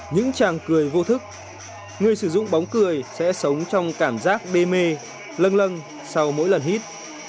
những chàng cười vô thức người sử dụng bóng cười sẽ sống trong cảm giác đê mê lâng lâng sau mỗi lần hít